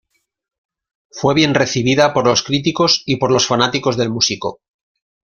Fue bien recibida por los críticos y por los fanáticos del músico.